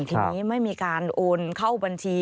ทีนี้ไม่มีการโอนเข้าบัญชี